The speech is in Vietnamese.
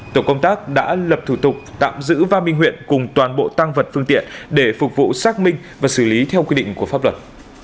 tổ công tác đã lập thủ tục tạm giữ va minh huyện cùng toàn bộ tăng vật phương tiện để phục vụ xác minh và xử lý theo quy định của pháp luật